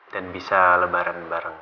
dan bisa lebaran bareng